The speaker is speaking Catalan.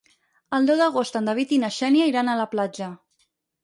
El deu d'agost en David i na Xènia iran a la platja.